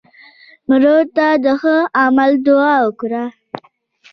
مړه ته د ښه عمل دعا وکړه